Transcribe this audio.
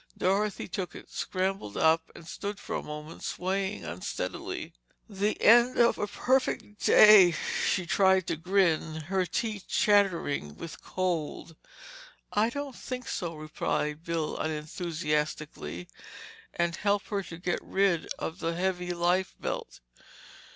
Dorothy took it, scrambled up and stood for a moment swaying unsteadily. "The end of a perfect d day—" she tried to grin, her teeth chattering with cold. "I don't think!" replied Bill unenthusiastically, and helped her to get rid of the heavy life belt.